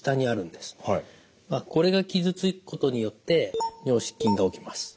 これが傷つくことによって尿失禁が起きます。